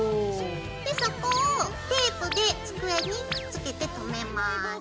でそこをテープで机にくっつけてとめます。